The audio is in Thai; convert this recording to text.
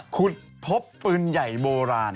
ขุดพบปืนใหญ่โบราณ